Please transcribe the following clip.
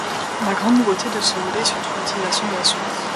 La grande nouveauté de ce volet est surtout l'utilisation de la souris.